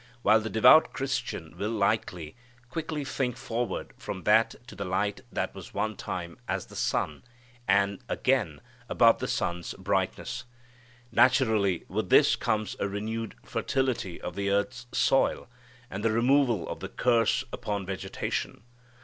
While the devout Christian will likely, quickly think forward from that to the light that was one time as the sun, and, again, above the sun's brightness. Naturally, with this comes a renewed fertility of the earth's soil, and the removal of the curse upon vegetation.